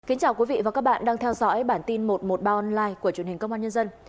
xin chào quý vị và các bạn đang theo dõi bản tin một trăm một mươi ba online của truyền hình công an nhân dân